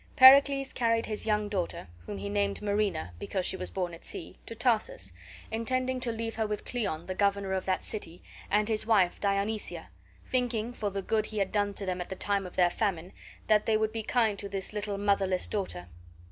Pericles carried his young daughter (whom he named Marina, because she was born at sea) to Tarsus, intending to leave her with Cleon, the governor of that city, and his wife Dionysia, thinking, for the good he had done to them at the time of their famine, they would be kind to his little motherless daughter.